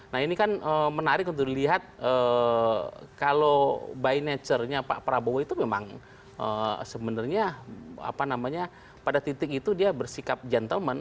nah ini kan menarik untuk dilihat kalau by nature nya pak prabowo itu memang sebenarnya pada titik itu dia bersikap gentleman